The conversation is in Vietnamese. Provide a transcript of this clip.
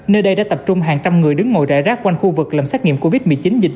nơi đây đã tập trung hàng trăm người đứng ngồi rải rác quanh khu vực làm xét nghiệm covid một mươi chín dịch